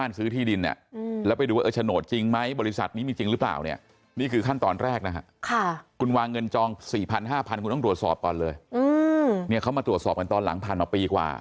เขามาตรวจสอบกันตอนหลังผ่านมาปีกว่า